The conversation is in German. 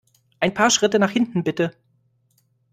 Ein paar Schritte nach hinten, bitte!